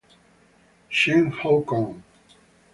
Cheng Hou Kong